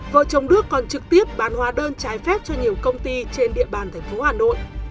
vợ chồng đức còn trực tiếp bán hóa đơn trái phép cho nhiều công ty trên địa bàn thành phố hà nội